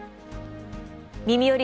「みみより！